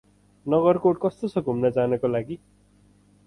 नगरकोट कस्तो छ घुम्न जानको लागि?